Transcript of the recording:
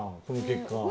この結果。